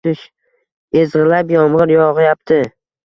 Ezgʻilab yomgʻir yogʻyapti.